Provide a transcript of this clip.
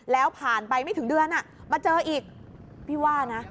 แล้วผ่านไปไม่ถึงเดือนมาเจออีกพี่ว่านะ